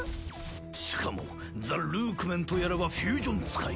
しかもザ・ルークメンとやらはフュージョン使い。